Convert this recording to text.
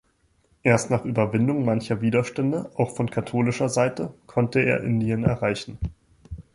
Erst nach Überwindung mancher Widerstände, auch von katholischer Seite, konnte er Indien erreichen.